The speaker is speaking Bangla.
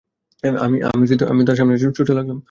আমি তার সামনে সামনে ছুটতে লাগলাম।